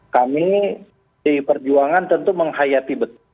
kami di perjuangan tentu menghayati betul